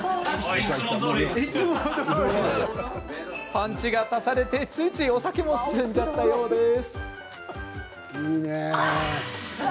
パンチが足されてついついお酒も進んじゃったそうです。